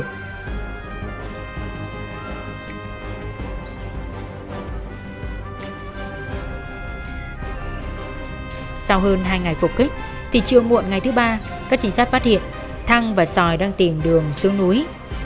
chiều muộn ngày thứ ba các chính sát phát hiện thăng và sòi đang tìm đường xuống núi